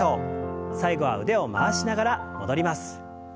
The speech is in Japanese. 最後は腕を回しながら戻ります。